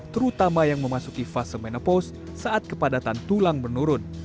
terutama yang memasuki fase menopaus saat kepadatan tulang menurun